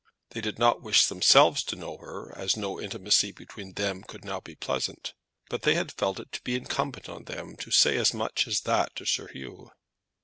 They did not wish themselves to know her, as no intimacy between them could now be pleasant; but they had felt it to be incumbent on them to say as much as that to Sir Hugh.